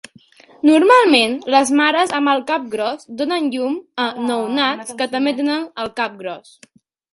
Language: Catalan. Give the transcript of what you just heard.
Normalment, les mares amb el cap gros donen llum a nounats que també tenen el cap gros.